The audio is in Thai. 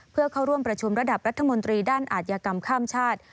เพื่อเข้าร่วมประชุมระดับรัฐมนตรีด้านอาชญากรรมข้ามชาติ